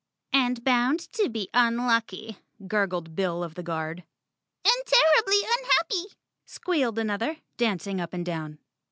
"And bound to be unlucky," gurgled Bill of the Guard. "And terribly unhappy," squealed another, dancing up and down.